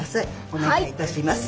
おねがいいたします。